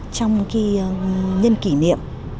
trong khi nhân kỷ niệm